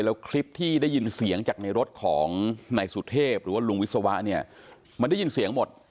แล้วคลิปที่ได้ยินเสียงจากในรถของนายสุเทพหรือว่าลุงวิศวะเนี่ยมันได้ยินเสียงหมด